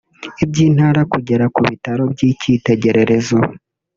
iby’intara kugera ku bitaro by’icyitegererezo